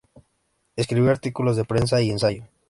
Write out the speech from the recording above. Escribió artículos de prensa y ensayo.